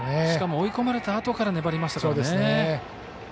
しかも追い込まれたあとから粘りました。